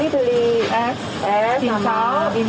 ini adalah barang dagangan yang terdampak ppkm